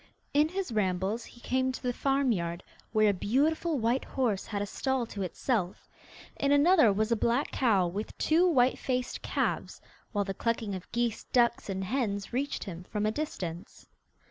In his rambles he came to the farmyard, where a beautiful white horse had a stall to itself; in another was a black cow with two white faced calves, while the clucking of geese, ducks, and hens reached him from a distance.